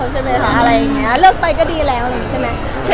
เฉยจริงว่าเหมือนเราอ่านไป